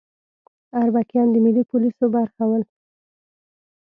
اربکیان د ملي پولیسو برخه ول